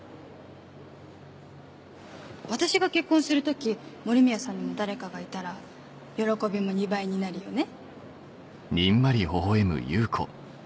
私が結婚する時森宮さんにも誰かがいたら喜びも２倍になるよね？